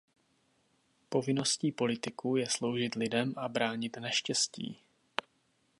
Povinností politiků je sloužit lidem a bránit neštěstí.